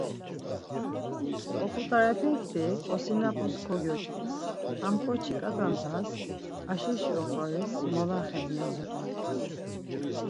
Oput̆arepekti osinapus kogyoç̌ǩes, Ham ǩoçi ǩat̆a ndğas Aşe’şi oxoris molaxen ya zop̌ont̆es.